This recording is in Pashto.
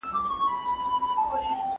په زګېروي مي له زلمیو شپو بېلېږم